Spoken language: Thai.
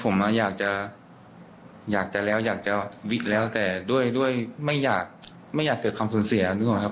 แม่งแล้วครับมันเล่นอยู่นานไหม